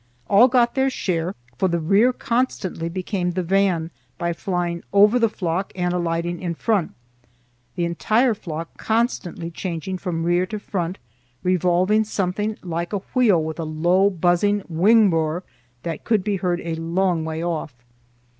All got their share, for the rear constantly became the van by flying over the flock and alighting in front, the entire flock constantly changing from rear to front, revolving something like a wheel with a low buzzing wing roar that could be heard a long way off.